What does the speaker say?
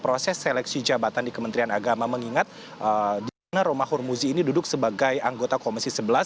proses seleksi jabatan di kementerian agama mengingat dina romahur muzi ini duduk sebagai anggota komisi sebelas